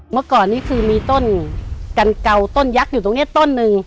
เมื่อก่อนนี้คือมีต้นกันเก่าต้นยักษ์อยู่ตรงนี้ต้นหนึ่ง